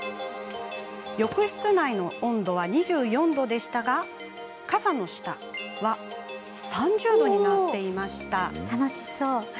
浴室内の温度は２４度でしたが傘の下は３０度になっていました。